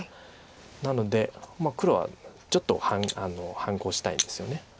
なので黒はちょっと反抗したいんですよね。